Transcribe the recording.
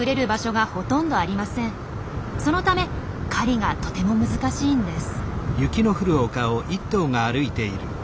そのため狩りがとても難しいんです。